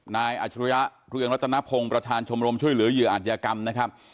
อาจรุยะเรืองรัตนพงศ์ประธานชมรมช่วยเหลือเหยื่ออาจยากรรมนะครับ